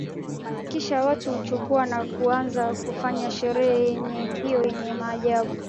Kisha watu huchukua na kuanza kufanya sherehe hiyo yenye maajabu